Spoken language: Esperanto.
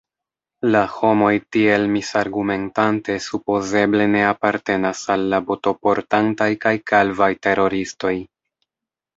La homoj tiel misargumentante supozeble ne apartenas al la botoportantaj kaj kalvaj teroristoj.